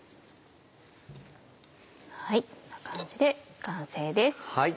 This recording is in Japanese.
こんな感じで完成です。